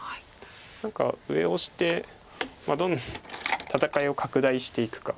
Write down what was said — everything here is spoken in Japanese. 何か上をオシて戦いを拡大していくか。